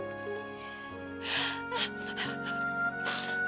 kamu sudah ingat